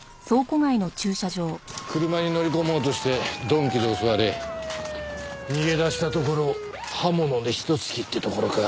車に乗り込もうとして鈍器で襲われ逃げ出したところを刃物で一突きってところか。